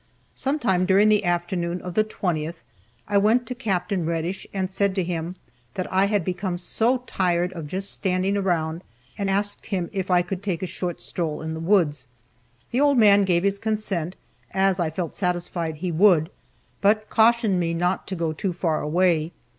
Sometime during the afternoon of the 20th I went to Capt. Reddish and said to him that I had become so tired of just standing around, and asked him if I could take a short stroll in the woods. The old man gave his consent (as I felt satisfied he would) but cautioned me not to go too far away.